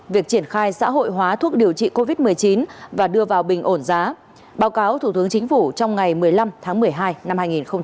việc triển khai xã hội hóa thuốc điều trị covid một mươi chín và đưa vào bình ổn giá báo cáo thủ tướng chính phủ trong ngày một mươi năm tháng một mươi hai năm hai nghìn hai mươi